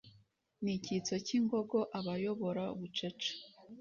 N'icyitso cy'ingogo abayobora bucece